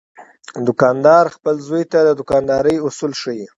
دوکاندار خپل زوی ته د دوکاندارۍ اصول ښيي.